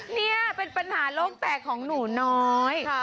นี่เป็นปัญหาโลกแตกของหนูน้อย